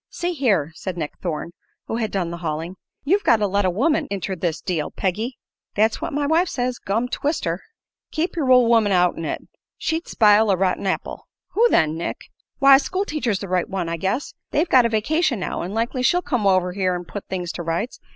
"See here," said Nick Thorne, who had done the hauling, "you've got to let a woman inter this deal, Peggy." "That's what my wife says, gum twist her." "Keep yer ol' woman out'n it. She'd spile a rotten apple." "Who then, Nick?" "Why, school teacher's the right one, I guess. They've got a vacation now, an' likely she'll come over here an' put things to rights.